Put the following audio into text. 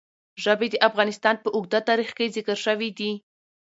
ژبې د افغانستان په اوږده تاریخ کې ذکر شوي دي.